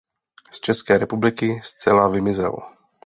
Z České republiky zcela vymizel.